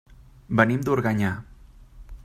Venim d'Organyà.